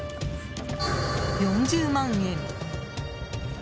４０万円。